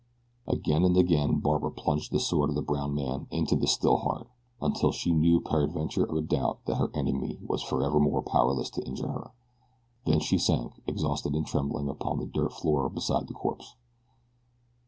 Again and again Barbara Harding plunged the sword of the brown man into the still heart, until she knew beyond peradventure of a doubt that her enemy was forevermore powerless to injure her. Then she sank, exhausted and trembling, upon the dirt floor beside the corpse.